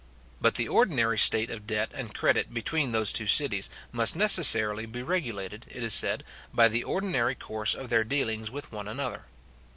But the ordinary state of debt and credit between those two cities must necessarily be regulated, it is said, by the ordinary course of their dealings with one another.